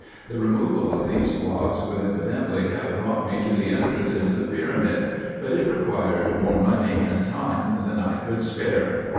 The removal of these blocks would evidently have brought me to the entrance into the pyramid, but it required more money and time than I could spare.